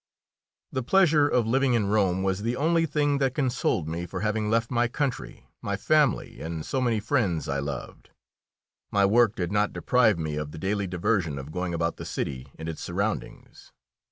The pleasure of living in Rome was the only thing that consoled me for having left my country, my family, and so many friends I loved. My work did not deprive me of the daily diversion of going about the city and its surroundings.